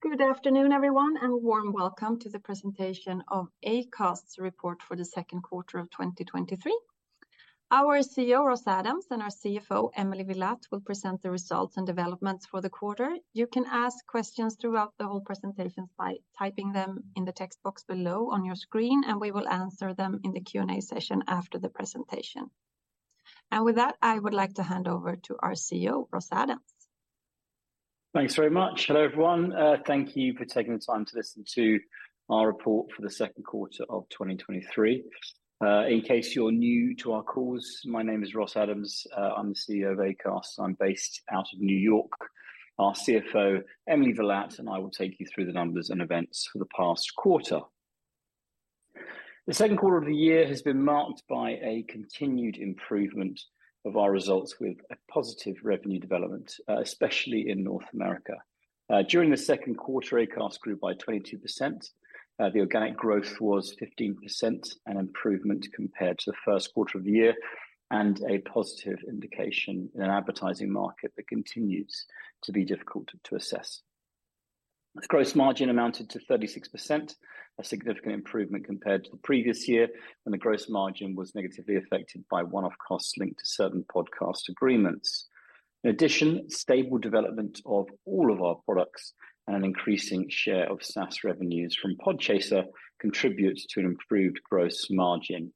Good afternoon, everyone, a warm welcome to the presentation of Acast's report for the second quarter of 2023. Our CEO, Ross Adams, and our CFO, Emily Villatte, will present the results and developments for the quarter. You can ask questions throughout the whole presentation by typing them in the text box below on your screen. We will answer them in the Q&A session after the presentation. With that, I would like to hand over to our CEO, Ross Adams. Thanks very much. Hello, everyone. Thank you for taking the time to listen to our report for the second quarter of 2023. In case you're new to our cause, my name is Ross Adams. I'm the CEO of Acast. I'm based out of New York. Our CFO, Emily Villatte, and I will take you through the numbers and events for the past quarter. The second quarter of the year has been marked by a continued improvement of our results, with a positive revenue development, especially in North America. During the second quarter, Acast grew by 22%. The organic growth was 15%, an improvement compared to the first quarter of the year, and a positive indication in an advertising market that continues to be difficult to assess. The gross margin amounted to 36%, a significant improvement compared to the previous year, when the gross margin was negatively affected by one-off costs linked to certain podcast agreements. In addition, stable development of all of our products and an increasing share of SaaS revenues from Podchaser contributes to an improved gross margin.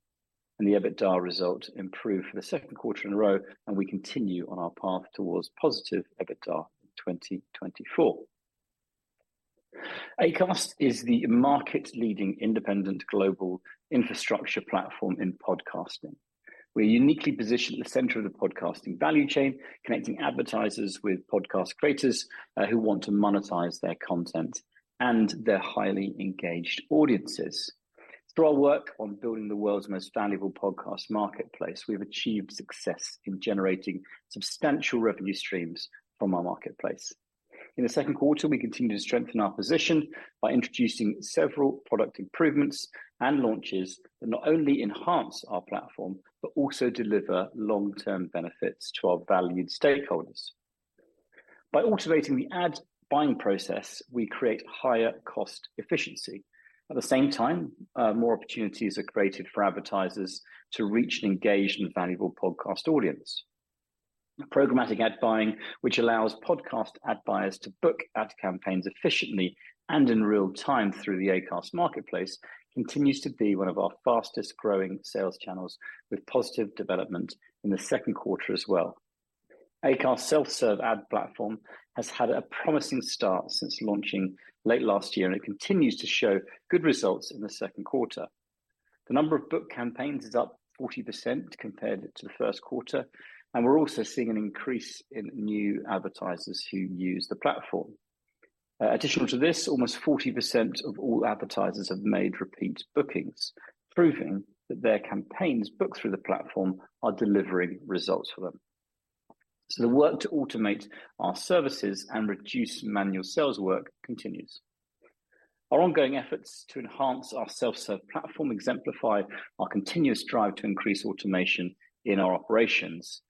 The EBITDA result improved for the second quarter in a row. We continue on our path towards positive EBITDA in 2024. Acast is the market-leading independent global infrastructure platform in podcasting. We're uniquely positioned at the center of the podcasting value chain, connecting advertisers with podcast creators who want to monetize their content and their highly engaged audiences. Through our work on building the world's most valuable podcast marketplace, we've achieved success in generating substantial revenue streams from our marketplace. In the second quarter, we continued to strengthen our position by introducing several product improvements and launches that not only enhance our platform but also deliver long-term benefits to our valued stakeholders. By automating the ad buying process, we create higher cost efficiency. At the same time, more opportunities are created for advertisers to reach an engaged and valuable podcast audience. Programmatic ad buying, which allows podcast ad buyers to book ad campaigns efficiently and in real time through the Acast marketplace, continues to be one of our fastest-growing sales channels, with positive development in the second quarter as well. Acast self-serve ad platform has had a promising start since launching late last year, and it continues to show good results in the second quarter. The number of booked campaigns is up 40% compared to the first quarter, and we're also seeing an increase in new advertisers who use the platform. Additional to this, almost 40% of all advertisers have made repeat bookings, proving that their campaigns booked through the platform are delivering results for them. The work to automate our services and reduce manual sales work continues. Our ongoing efforts to enhance our self-serve platform exemplify our continuous drive to increase automation in our operations.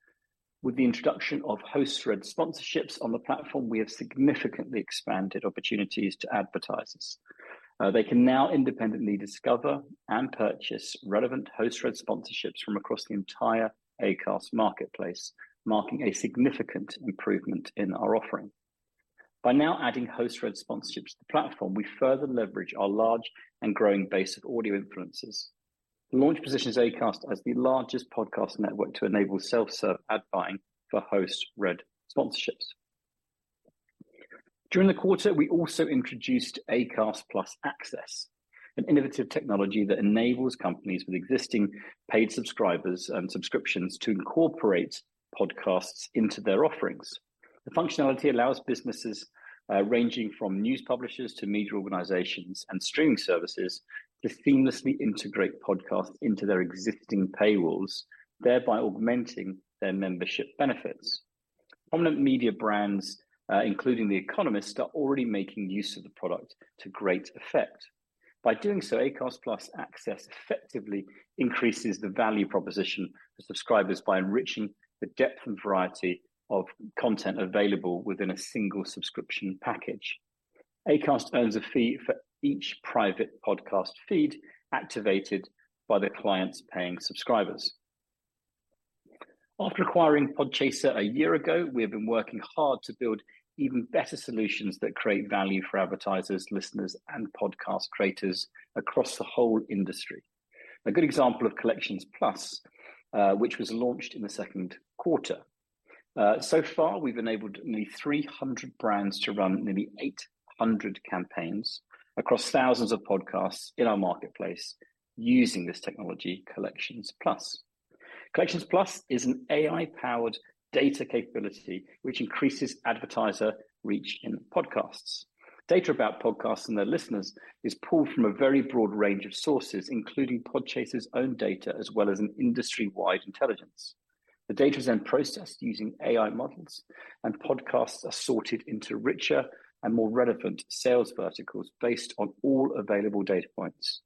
With the introduction of host-read sponsorships on the platform, we have significantly expanded opportunities to advertisers. They can now independently discover and purchase relevant host-read sponsorships from across the entire Acast marketplace, marking a significant improvement in our offering. By now adding host-read sponsorships to the platform, we further leverage our large and growing base of audio influences. The launch positions Acast as the largest podcast network to enable self-serve ad buying for host-read sponsorships. During the quarter, we also introduced Acast+ Access, an innovative technology that enables companies with existing paid subscribers and subscriptions to incorporate podcasts into their offerings. The functionality allows businesses ranging from news publishers to media organizations and streaming services, to seamlessly integrate podcasts into their existing paywalls, thereby augmenting their membership benefits. Prominent media brands, including The Economist, are already making use of the product to great effect. By doing so, Acast+ Access effectively increases the value proposition for subscribers by enriching the depth and variety of content available within a single subscription package. Acast earns a fee for each private podcast feed activated by the client's paying subscribers. After acquiring Podchaser a year ago, we have been working hard to build even better solutions that create value for advertisers, listeners, and podcast creators across the whole industry. A good example of Collections+, which was launched in the second quarter. So far, we've enabled nearly 300 brands to run nearly 800 campaigns across thousands of podcasts in our marketplace using this technology, Collections+. Collections+ is an AI-powered data capability, which increases advertiser reach in podcasts. Data about podcasts and their listeners is pulled from a very broad range of sources, including Podchaser's own data, as well as an industry-wide intelligence. The data is then processed using AI models, and podcasts are sorted into richer and more relevant sales verticals based on all available data points.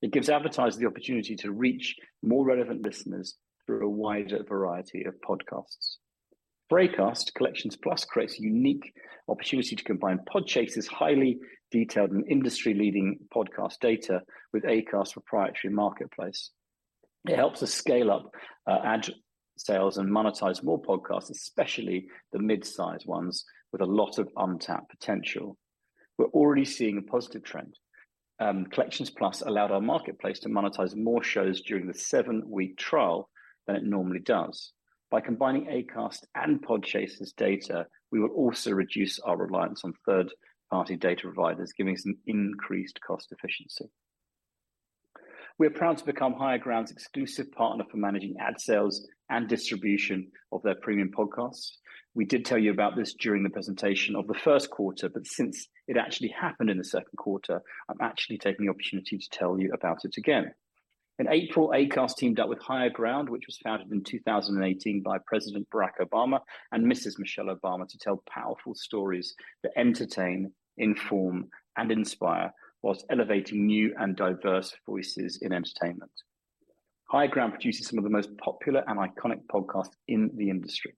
It gives advertisers the opportunity to reach more relevant listeners through a wider variety of podcasts. Acast Collections+ creates a unique opportunity to combine Podchaser's highly detailed and industry-leading podcast data with Acast proprietary marketplace. It helps us scale up ad sales and monetize more podcasts, especially the mid-sized ones with a lot of untapped potential. We're already seeing a positive trend. Collections+ allowed our marketplace to monetize more shows during the seven-week trial than it normally does. By combining Acast and Podchaser's data, we will also reduce our reliance on third-party data providers, giving us an increased cost efficiency. We're proud to become Higher Ground's exclusive partner for managing ad sales and distribution of their premium podcasts. We did tell you about this during the presentation of the first quarter, but since it actually happened in the second quarter, I'm actually taking the opportunity to tell you about it again. In April, Acast teamed up with Higher Ground, which was founded in 2018 by President Barack Obama and Mrs. Michelle Obama, to tell powerful stories that entertain, inform, and inspire while elevating new and diverse voices in entertainment. Higher Ground produces some of the most popular and iconic podcasts in the industry,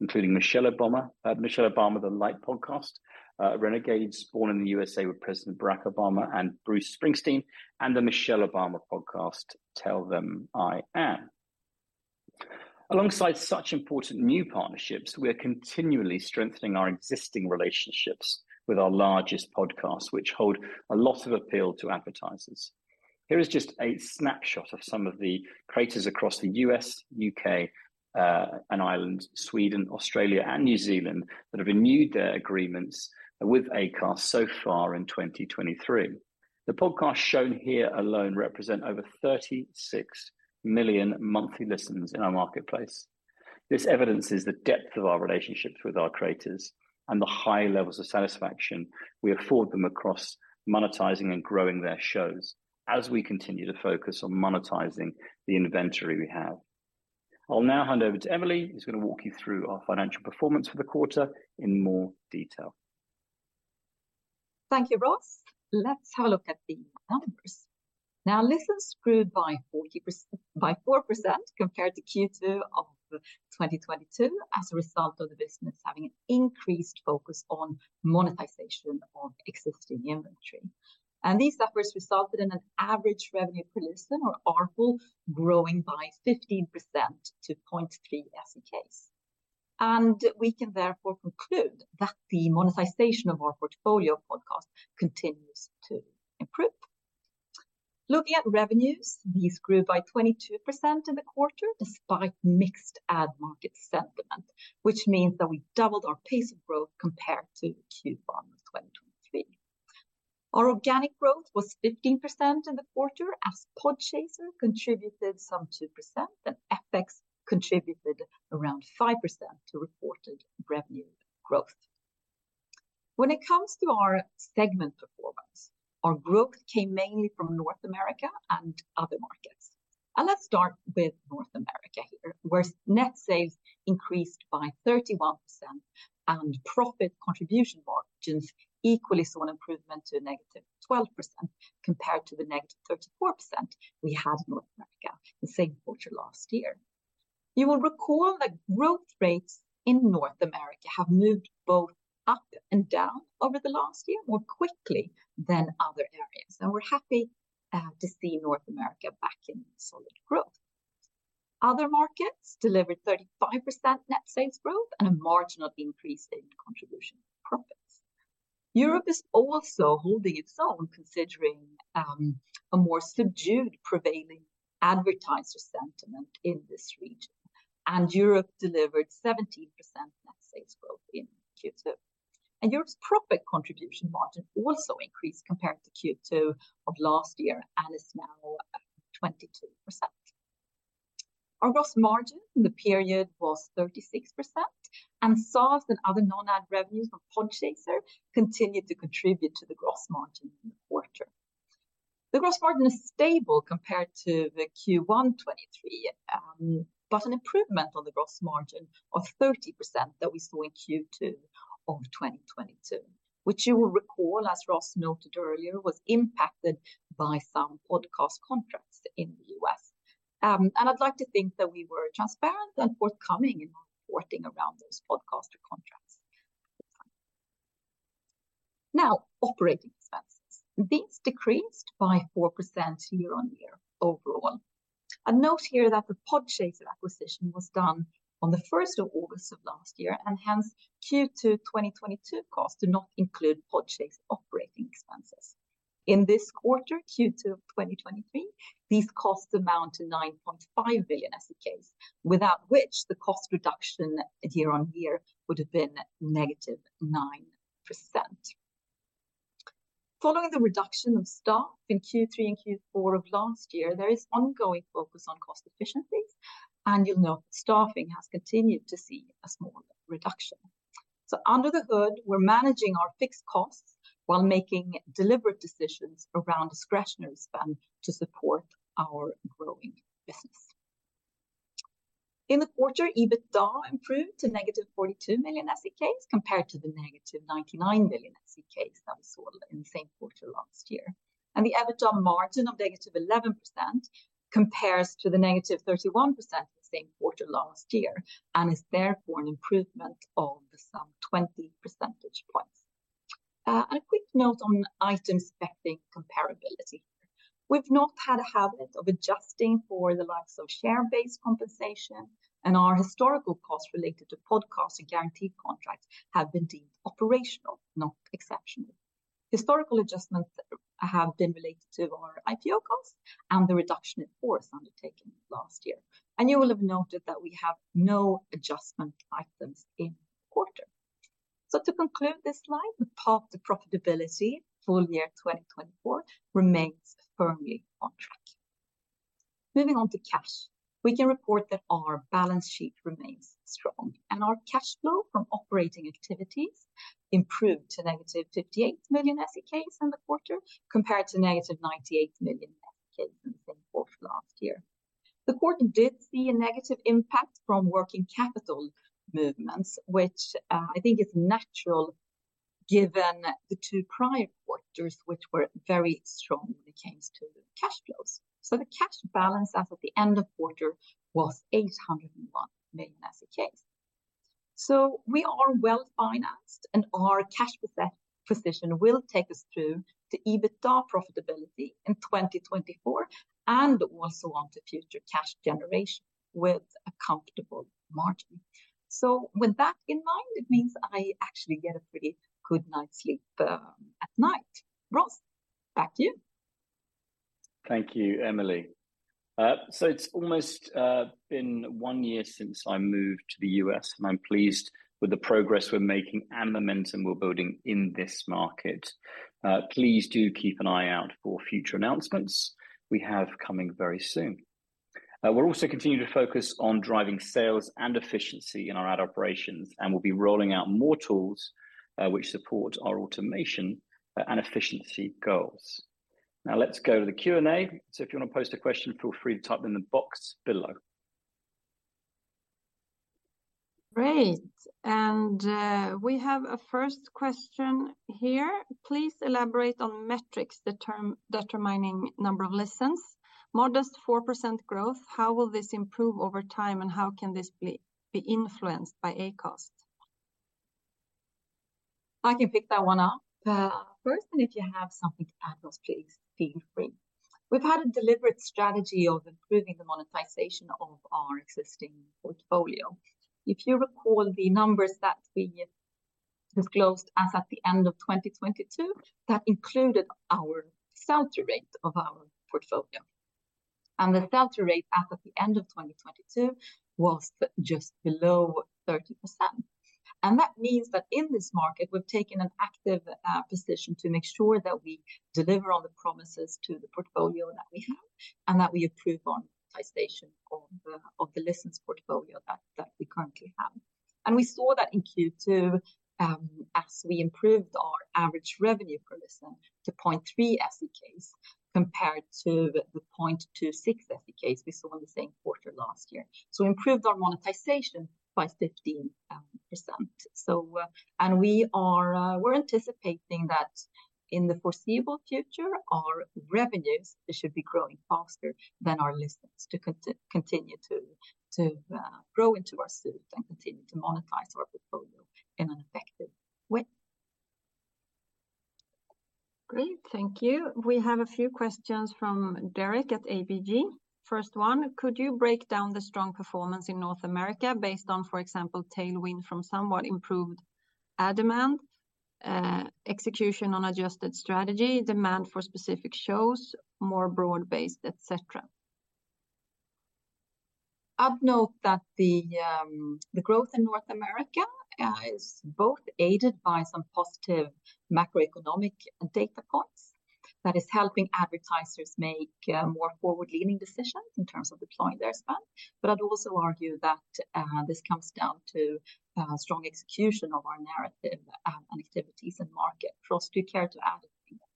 including Michelle Obama: The Light Podcast, Renegades: Born in the USA with President Barack Obama and Bruce Springsteen, and The Michelle Obama Podcast, Tell Them I Am. Alongside such important new partnerships, we are continually strengthening our existing relationships with our largest podcasts, which hold a lot of appeal to advertisers. Here is just a snapshot of some of the creators across the U.S., U.K., and Ireland, Sweden, Australia, and New Zealand, that have renewed their agreements with Acast so far in 2023. The podcasts shown here alone represent over 36 million monthly listens in our marketplace. This evidences the depth of our relationships with our creators and the high levels of satisfaction we afford them across monetizing and growing their shows, as we continue to focus on monetizing the inventory we have. I'll now hand over to Emily, who's gonna walk you through our financial performance for the quarter in more detail. Thank you, Ross. Let's have a look at the numbers. Now, listens grew by 4% compared to Q2 of 2022, as a result of the business having an increased focus on monetization of existing inventory. These efforts resulted in an average revenue per listener, or ARPU, growing by 15% to 0.3 SEK. We can therefore conclude that the monetization of our portfolio of podcasts continues to improve. Looking at revenues, these grew by 22% in the quarter, despite mixed ad market sentiment, which means that we doubled our pace of growth compared to Q1 of 2023. Our organic growth was 15% in the quarter, as Podchaser contributed some 2%, and FX contributed around 5% to reported revenue growth. When it comes to our segment performance, our growth came mainly from North America and other markets. Let's start with North America here, where net sales increased by 31%, and profit contribution margins equally saw an improvement to -12% compared to the -34% we had in North America the same quarter last year. You will recall that growth rates in North America have moved both up and down over the last year, more quickly than other areas, and we're happy to see North America back in solid growth. Other markets delivered 35% net sales growth and a marginal increase in contribution profits. Europe is also holding its own, considering a more subdued prevailing advertiser sentiment in this region, and Europe delivered 17% net sales growth in Q2. Europe's profit contribution margin also increased compared to Q2 of last year and is now 22%. Our gross margin in the period was 36%. SaaS and other non-ad revenues from Podchaser continued to contribute to the gross margin in the quarter. The gross margin is stable compared to the Q1 '23, but an improvement on the gross margin of 30% that we saw in Q2 of 2022, which you will recall, as Ross noted earlier, was impacted by some podcast contracts in the US. I'd like to think that we were transparent and forthcoming in reporting around those podcaster contracts at the time. Now, operating expenses. These decreased by 4% year-on-year overall. A note here that the Podchaser acquisition was done on the first of August of last year, hence, Q2 2022 costs do not include Podchaser's operating expenses. In this quarter, Q2 2023, these costs amount to 9.5 billion SEK, without which the cost reduction year-on-year would have been -9%. Following the reduction of staff in Q3 and Q4 of last year, there is ongoing focus on cost efficiencies, and you'll know that staffing has continued to see a small reduction. Under the hood, we're managing our fixed costs while making deliberate decisions around discretionary spend to support our growing business. In the quarter, EBITDA improved to -42 million SEK, compared to the -99 million SEK that we saw in the same quarter last year. The EBITDA margin of -11% compares to the -31% in the sam quarter last year, and is therefore an improvement of some 20 percentage points. A quick note on item-specific comparability. We've not had a habit of adjusting for the likes of share-based compensation, and our historical costs related to podcast and guaranteed contracts have been deemed operational, not exceptional. Historical adjustments have been related to our IPO cost and the reduction in force undertaking last year, and you will have noted that we have no adjustment items in quarter. To conclude this slide, the path to profitability full year 2024 remains firmly on track. Moving on to cash, we can report that our balance sheet remains strong, and our cash flow from operating activities improved to negative 58 million SEK in the quarter, compared to negative 98 million SEK in the same quarter last year. The quarter did see a negative impact from working capital movements, which, I think is natural, given the 2 prior quarters, which were very strong when it came to cash flows. The cash balance as of the end of quarter was 801 million. We are well-financed, and our cash position will take us through to EBITDA profitability in 2024, and also on to future cash generation with a comfortable margin. With that in mind, it means I actually get a pretty good night's sleep at night. Ross, back to you. Thank you, Emily. It's almost been one year since I moved to the U.S., and I'm pleased with the progress we're making and momentum we're building in this market. Please do keep an eye out for future announcements we have coming very soon. We're also continuing to focus on driving sales and efficiency in our ad operations, and we'll be rolling out more tools which support our automation and efficiency goals. Now let's go to the Q&A. If you want to post a question, feel free to type it in the box below. Great. We have a first question here. Please elaborate on metrics, determining number of listens. Modest 4% growth, how will this improve over time, and how can this be influenced by Acast? I can pick that one up first, and if you have something to add, Ross, please feel free. We've had a deliberate strategy of improving the monetization of our existing portfolio. If you recall the numbers that we disclosed as at the end of 2022, that included our sell-through rate of our portfolio, the sell-through rate as of the end of 2022 was just below 30%. That means that in this market, we've taken an active position to make sure that we deliver on the promises to the portfolio that we have and that we improve on monetization of the, of the listens portfolio that, that we currently have. We saw that in Q2, as we improved our average revenue per listen to 0.3 SEK, compared to the 0.26 SEK we saw in the same quarter last year. Improved our monetization by 15%. We're anticipating that in the foreseeable future, our revenues should be growing faster than our listens to continue to grow into our suite and continue to monetize our portfolio in an effective way. Great, thank you. We have a few questions from Derek at ABG. First one, could you break down the strong performance in North America based on, for example, tailwind from somewhat improved ad demand, execution on adjusted strategy, demand for specific shows, more broad-based, et cetera? I'd note that the, the growth in North America, is both aided by some positive macroeconomic data points that is helping advertisers make, more forward-leaning decisions in terms of deploying their spend. I'd also argue that, this comes down to, strong execution of our narrative, and activities in market. Ross, do you care to add anything there?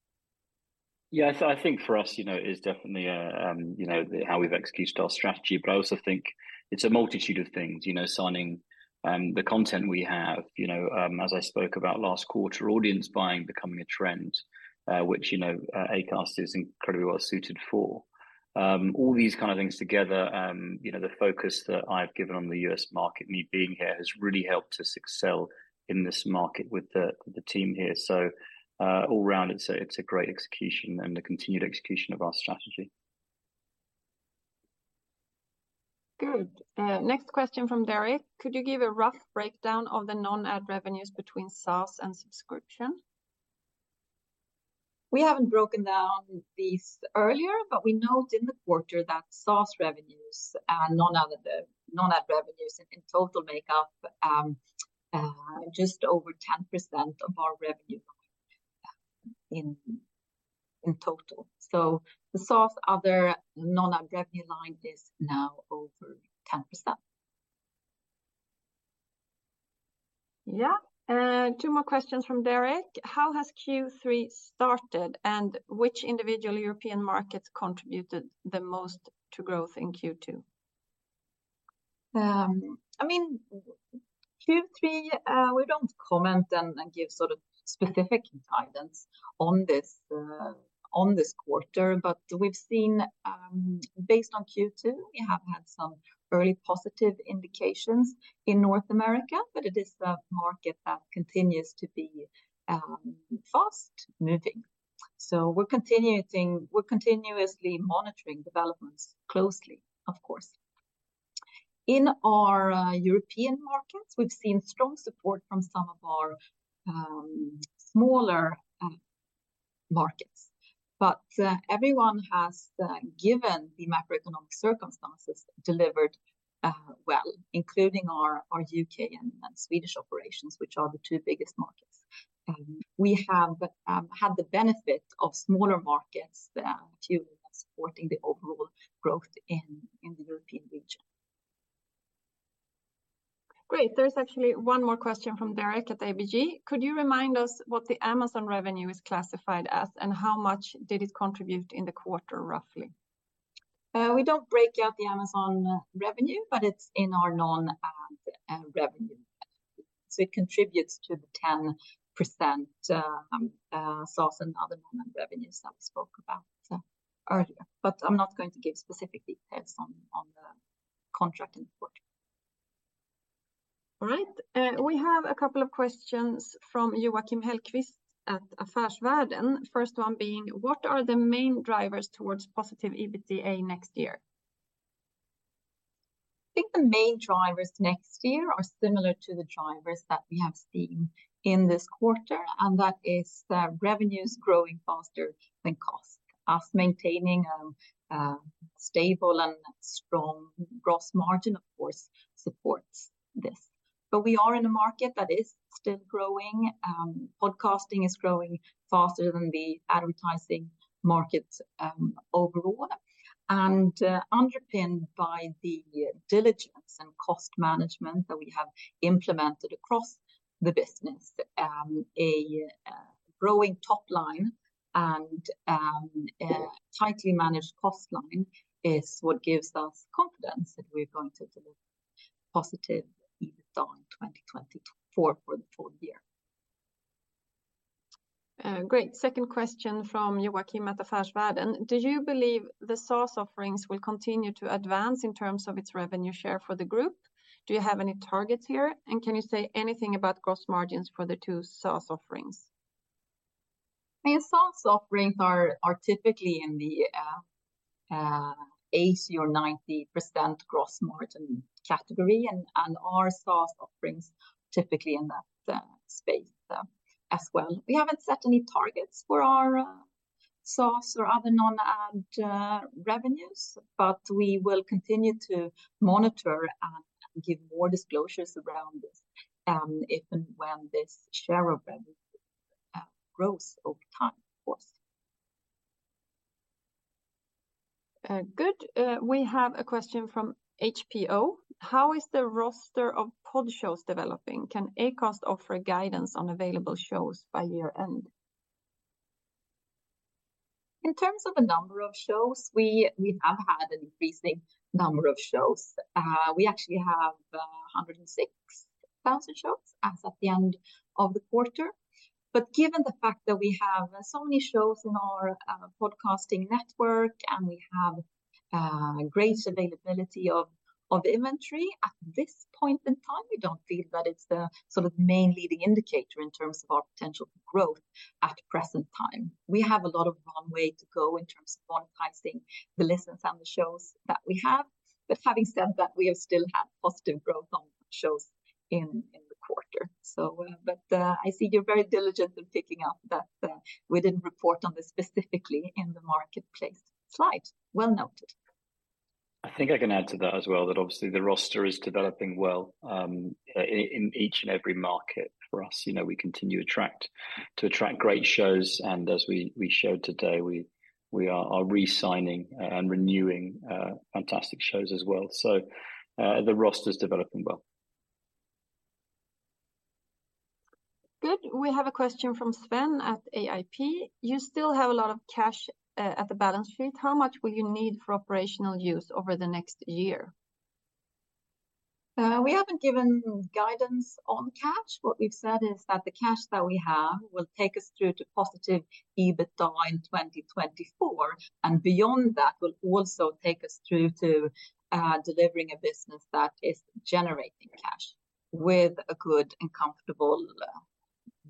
Yeah, I think for us, you know, it is definitely a, you know, how we've executed our strategy. I also think it's a multitude of things, you know, signing, the content we have. You know, as I spoke about last quarter, audience buying becoming a trend, which, you know, Acast is incredibly well-suited for. All these kind of things together, you know, the focus that I've given on the US market, me being here, has really helped us excel in this market with the, the team here. All round, it's a, it's a great execution and a continued execution of our strategy. Good. Next question from Derek: Could you give a rough breakdown of the non-ad revenues between SaaS and subscription? We haven't broken down these earlier, but we note in the quarter that SaaS revenues and non-ad, non-ad revenues in total make up just over 10% of our revenue in, in total. The SaaS/other non-ad revenue line is now over 10%.... Yeah, 2 more questions from Derek: "How has Q3 started, and which individual European markets contributed the most to growth in Q2? I mean, Q3, we don't comment and, and give sort of specific guidance on this, on this quarter. We've seen, based on Q2, we have had some very positive indications in North America, but it is a market that continues to be, fast-moving. We're continuing, we're continuously monitoring developments closely, of course. In our European markets, we've seen strong support from some of our, smaller, markets. Everyone has, given the macroeconomic circumstances, delivered, well, including our, our UK and, and Swedish operations, which are the two biggest markets. We have, had the benefit of smaller markets, too, supporting the overall growth in, in the European region. Great. There's actually one more question from Derek at the ABG: "Could you remind us what the Amazon revenue is classified as, and how much did it contribute in the quarter, roughly? We don't break out the Amazon revenue, but it's in our non-ad revenue. It contributes to the 10% SaaS and other non-ad revenues I spoke about earlier. I'm not going to give specific details on the contract in quarter. All right. We have a couple of questions from Joakim Hellquist at Affärsvärlden. First one being: "What are the main drivers towards positive EBITDA next year? I think the main drivers next year are similar to the drivers that we have seen in this quarter, and that is the revenues growing faster than cost. Us maintaining, a stable and strong gross margin, of course, supports this. We are in a market that is still growing. Podcasting is growing faster than the advertising market, overall, and underpinned by the diligence and cost management that we have implemented across the business. A growing top line and a tightly managed cost line is what gives us confidence that we're going to deliver positive EBITDA in 2024 for the full year. Great. Second question from Joakim at Affärsvärlden: "Do you believe the SaaS offerings will continue to advance in terms of its revenue share for the group? Do you have any targets here, and can you say anything about gross margins for the two SaaS offerings? The SaaS offerings are typically in the 80% or 90% gross margin category, and our SaaS offerings typically in that space as well. We haven't set any targets for our SaaS or other non-ad revenues, but we will continue to monitor and give more disclosures around this if and when this share of revenue grows over time, of course. Good. We have a question from HPO: "How is the roster of pod shows developing? Can Acast offer guidance on available shows by year-end? In terms of the number of shows, we, we have had an increasing number of shows. We actually have 106,000 shows as of the end of the quarter. Given the fact that we have so many shows in our podcasting network, and we have great availability of inventory, at this point in time, we don't feel that it's the sort of main leading indicator in terms of our potential growth at present time. We have a lot of runway to go in terms of monetizing the listens and the shows that we have. Having said that, we have still had positive growth on shows in the quarter. I see you're very diligent in picking up that we didn't report on this specifically in the marketplace slide. Well noted. I think I can add to that as well, that obviously the roster is developing well, in each and every market for us. You know, we continue to attract, to attract great shows, and as we, we showed today, we, we are, are re-signing and renewing, fantastic shows as well. The roster's developing well. Good. We have a question from Sven at AIP: "You still have a lot of cash at the balance sheet. How much will you need for operational use over the next year? We haven't given guidance on cash. What we've said is that the cash that we have will take us through to positive EBITDA in 2024, and beyond that, will also take us through to delivering a business that is generating cash with a good and comfortable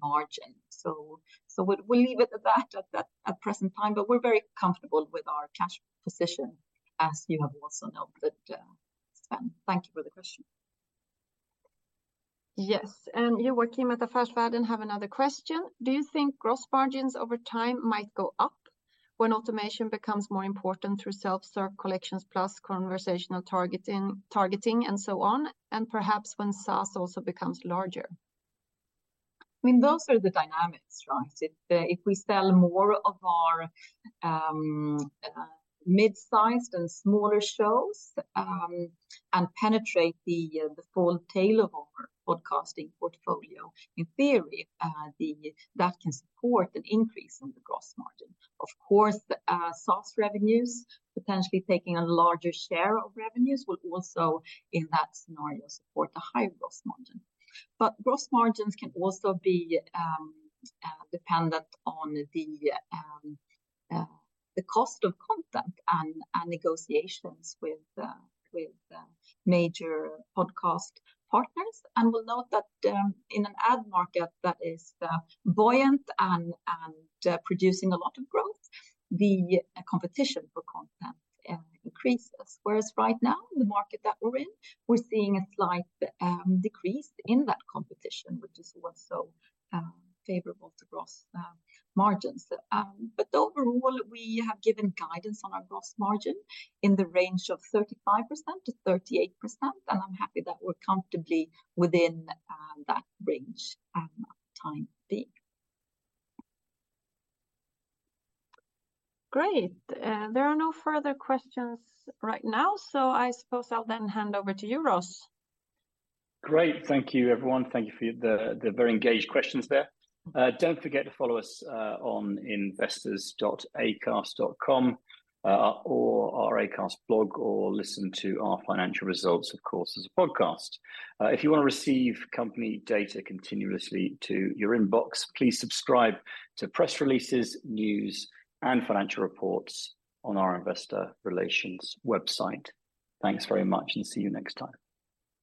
margin. We'll leave it at that, at present time, but we're very comfortable with our cash position, as you have also noted, Sven. Thank you for the question. Yes, Joakim at Affärsvärlden have another question: "Do you think gross margins over time might go up when automation becomes more important through self-serve collections, plus conversational targeting, and so on, and perhaps when SaaS also becomes larger? I mean, those are the dynamics, right? If, if we sell more of our mid-sized and smaller shows, and penetrate the full tail of our podcasting portfolio, in theory, that can support an increase in the gross margin. Of course, SaaS revenues, potentially taking a larger share of revenues, would also, in that scenario, support a high gross margin. But gross margins can also be dependent on the cost of content and negotiations with the major podcast partners. And we'll note that, in an ad market that is buoyant and producing a lot of growth, the competition for content increases. Whereas right now, in the market that we're in, we're seeing a slight decrease in that competition, which is also favorable to gross margins. Overall, we have given guidance on our gross margin in the range of 35%-38%, and I'm happy that we're comfortably within, that range at time being. Great. There are no further questions right now, so I suppose I'll then hand over to you, Ross. Great. Thank you, everyone. Thank you for your very engaged questions there. Don't forget to follow us on investors.acast.com, or our Acast blog, or listen to our financial results, of course, as a podcast. If you wanna receive company data continuously to your inbox, please subscribe to press releases, news, and financial reports on our investor relations website. Thanks very much, and see you next time.